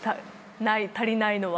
足りないのは。